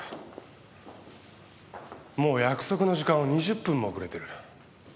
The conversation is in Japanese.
もう約束の時間を２０分も遅れてる。